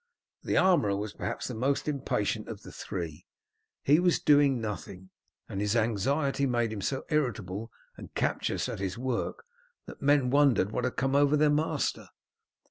The armourer was perhaps the most impatient of the three. He was doing nothing, and his anxiety made him so irritable and captious at his work that his men wondered what had come over their master.